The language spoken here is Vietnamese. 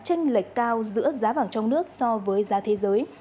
tranh lệch cao giữa giá vàng trong nước so với giá thế giới